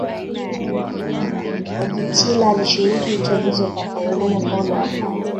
Wojtyla alishiriki uchaguzi wa Papa Yohane Paulo wa kwanza